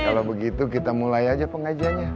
kalau begitu kita mulai aja pengajiannya